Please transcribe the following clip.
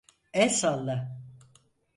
El salla.